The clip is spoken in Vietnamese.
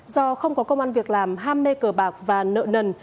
do không có công an việc làm ham mê cờ bạc và nợ nần